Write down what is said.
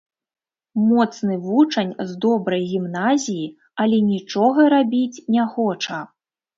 Моцны вучань з добрай гімназіі, але нічога рабіць не хоча.